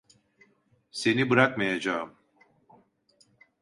Seni bırakmayacağım.